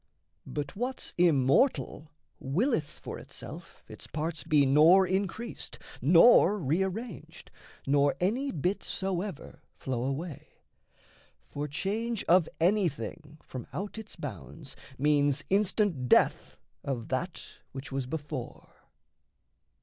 But what's immortal willeth for itself Its parts be nor increased, nor rearranged, Nor any bit soever flow away: For change of anything from out its bounds Means instant death of that which was before.